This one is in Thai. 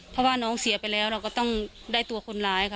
เพราะว่าน้องเสียไปแล้วเราก็ต้องได้ตัวคนร้ายค่ะ